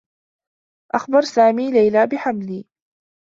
أخبر سامي ليلى بحملي.